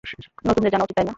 নতুনদের জানা উচিত, তাই না?